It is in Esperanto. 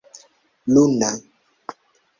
luna